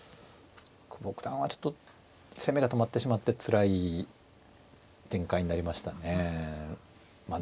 久保九段はちょっと攻めが止まってしまってつらい展開になりましたね。